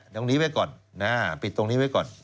ตรงนี้ไว้ก่อนปิดตรงนี้ไว้ก่อน